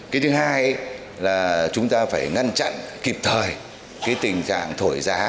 cái thứ hai là chúng ta phải ngăn chặn kịp thời cái tình trạng thổi giá